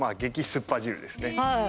酸っぱ汁ですね。